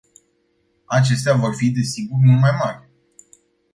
Acestea vor fi, desigur, mult mai mari.